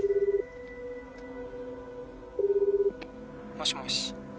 「もしもし」